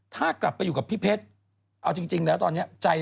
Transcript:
ถ้ากลับไปอยู่กับพี่เพชรเอาจริงแล้วตอนนี้ใจ